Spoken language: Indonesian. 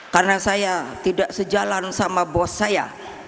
karena saya tidak sejalan sama bos saya